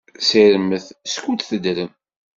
Ssirmet, skud teddrem!